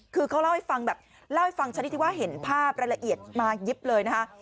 คือเขาเล่าให้ฟังแบบเล่าให้ฟังชนิดที่ว่าเห็นภาพรายละเอียดมายิบเลยนะคะ